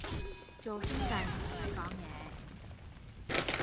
做兄弟唔使講嘢